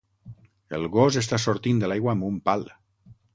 El gos està sortint de l'aigua amb un pal.